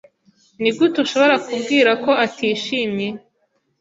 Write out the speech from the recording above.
Nigute ushobora kubwira ko atishimye?